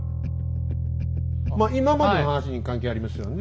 まあ今までの話に関係ありますよね？